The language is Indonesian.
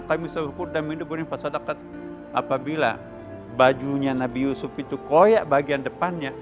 apabila bajunya nabi yusuf itu koyak bagian depannya